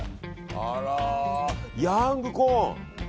あら、ヤングコーン！